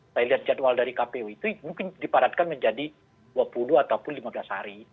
saya lihat jadwal dari kpu itu mungkin dipadatkan menjadi dua puluh ataupun lima belas hari